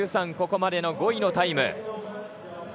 ここまでの５位のタイム。